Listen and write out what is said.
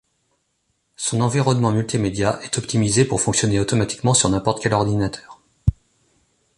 Son environnement multimédia est optimisé pour fonctionner automatiquement sur n'importe quel ordinateur.